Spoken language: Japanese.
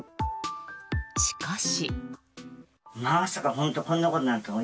しかし。